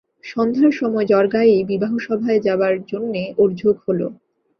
সন্ধ্যার সময় জ্বর-গায়েই বিবাহসভায় যাবার জন্যে ওর ঝোঁক হল।